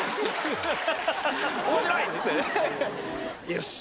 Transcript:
よし。